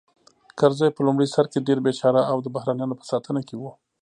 کرزی په لومړي سر کې ډېر بېچاره او د بهرنیانو په ساتنه کې و